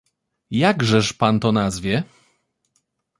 "Jakżeż pan to nazwie?"